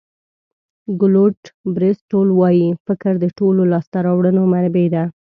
کلوډ بریسټول وایي فکر د ټولو لاسته راوړنو منبع ده.